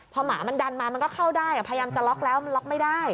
พอหมามันดันมามันก็เข้าได้พยายามจะล็อกแล้วมันล็อกไม่ได้